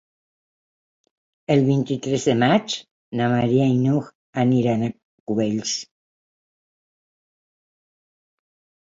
El vint-i-tres de maig na Maria i n'Hug aniran a Cubells.